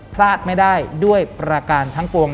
พลาดไม่ได้ด้วยประการทั้งปวง